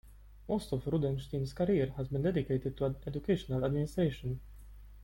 Most of Rudenstine's career has been dedicated to educational administration.